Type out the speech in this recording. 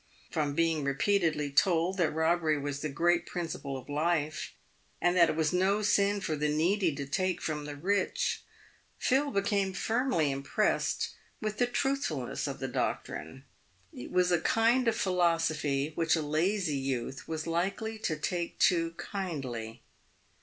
From being repeatedly told that robbery was the great principle of life, and that it was no sin for the needy to take from the rich, Phil became firmly impressed with the truthfulness of the doctrine. It was a kind of philosophy which a lazy youth was likely to take to kindly.